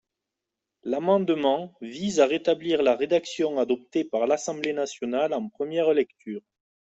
L’amendement vise à rétablir la rédaction adoptée par l’Assemblée nationale en première lecture.